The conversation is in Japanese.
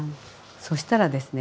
そしたらですね